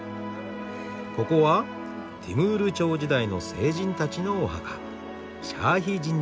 ここはティムール朝時代の聖人たちのお墓シャーヒジンダ廟。